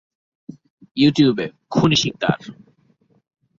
ইউটিউবে "খুনী শিকদার"